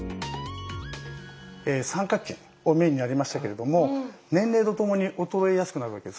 三角筋をメインにやりましたけれども年齢とともに衰えやすくなるわけですね。